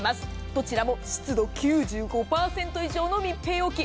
どちらも湿度９５％以上の密閉容器。